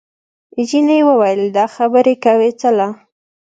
جینۍ وویل دا خبرې کوې څله؟